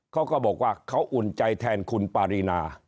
เขาก็บอกว่าเขาอุ่นใจแทนคุณปารีนา